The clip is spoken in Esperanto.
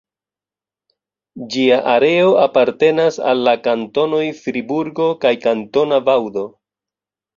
Ĝia areo apartenas al la kantonoj Friburgo kaj Kantona Vaŭdo.